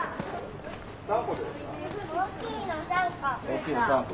大きいの３個。